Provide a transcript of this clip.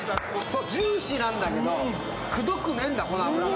ジューシーなんだけど、くどくねぇんだ、この脂が！